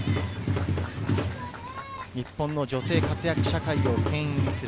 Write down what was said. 日本の女性活躍社会をけん引する。